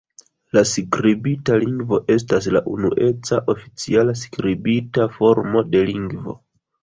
La skribita lingvo estas la unueca, oficiala skribita formo de lingvo.